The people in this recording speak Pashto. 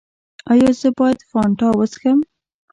ایا زه باید فانټا وڅښم؟